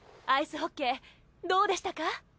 アイスホッケーどうでしたか？